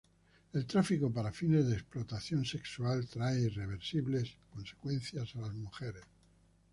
El tráfico para fines de explotación sexual trae irreversibles consecuencias a las mujeres.